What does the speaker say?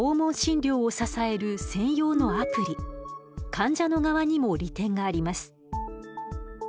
患者の側にも利点があります。